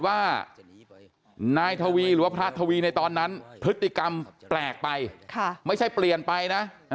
ว่านายทวีหรือว่าพระทวีในตอนนั้นพฤติกรรมแปลกไปไม่ใช่เปลี่ยนไปนะ